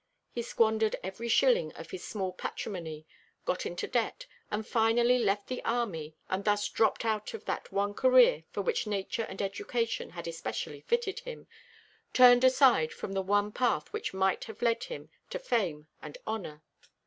He squandered every shilling of his small patrimony, got into debt, and finally left the army, and thus dropped out of that one career for which nature and education had especially fitted him, turned aside from the one path which might have led him to fame and honour.